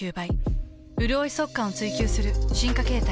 うるおい速乾を追求する進化形態。